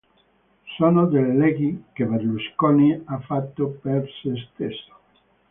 Sono delle leggi che Berlusconi ha fatto per se stesso.